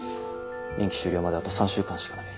任期終了まであと３週間しかない。